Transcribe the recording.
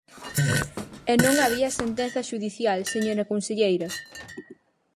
E non había sentenza xudicial, señora conselleira.